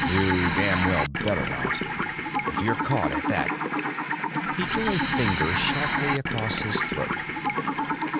"You damn well better not. If you're caught at that " He drew a finger sharply across his throat.